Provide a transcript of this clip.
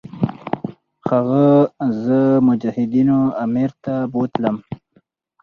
هغه زه مجاهدینو امیر ته بوتلم.